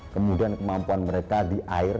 kemudian kemampuan mereka di air